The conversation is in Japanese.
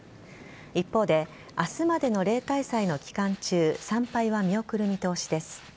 一方で明日までの例大祭の期間中参拝は見送る見通しです。